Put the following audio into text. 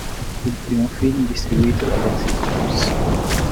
Fu il primo film distribuito dalla Exhibitors.